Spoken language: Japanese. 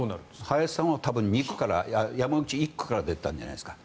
林さんは多分山口１区から出てたんじゃないですか。